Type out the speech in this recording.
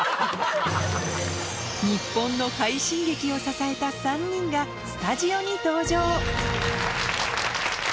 日本の快進撃を支えた３人が、スタジオに登場。